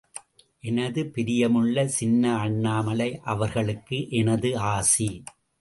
எனது பிரியமுள்ள சின்ன அண்ணாமலை அவர்களுக்கு எனது ஆசி.